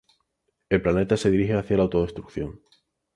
El planeta se dirige hacia la autodestruccion